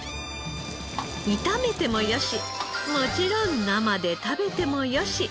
炒めてもよしもちろん生で食べてもよし。